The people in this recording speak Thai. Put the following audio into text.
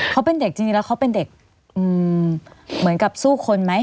เขาเป็นเด็กจริงแล้วเขาเป็นเด็กเหมือนกับสู้คนไหม